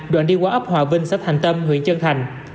đoạn đi qua ấp hòa vinh sách hành tâm huyện trân thành